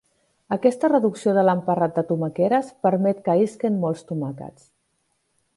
Aquesta reducció de l'emparrat de tomaqueres permet que isquen molts tomàquets.